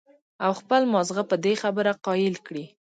او خپل مازغۀ پۀ دې خبره قائل کړي